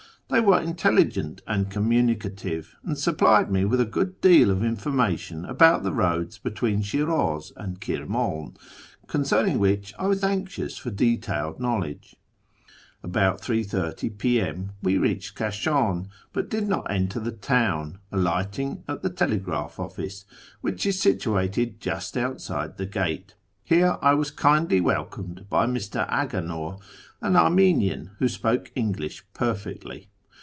They were intelligent and communicative, and supplied me with a good deal of information about the roads between Shiraz and Kirman, concerning which I was anxious for detailed knowledge. About 3.30 P.M. we reached Kashan, but did not enter the town, alighting at the telegraph office, which is situated just outside the gate. Here I was kindly welcomed by Mr. Aganor, an Armenian, who spoke English perfectly.